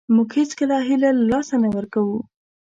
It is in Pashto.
موږ هېڅکله هیله له لاسه نه ورکوو .